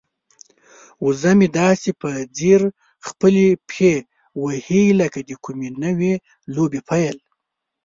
وزه مې داسې په ځیر خپلې پښې وهي لکه د کومې نوې لوبې پیل.